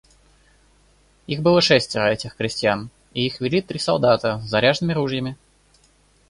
Их было шестеро, этих крестьян, и их вели три солдата с заряженными ружьями.